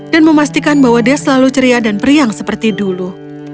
dan memastikan bahwa dia selalu ceria dan periang seperti dulu